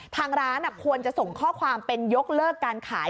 ทางร้านควรจะส่งข้อความเป็นยกเลิกการขาย